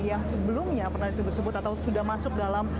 yang sebelumnya pernah disebut sebut atau sudah masuk dalam